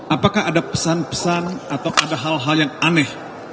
apakah ada pesan pesan atau ada hal hal yang aneh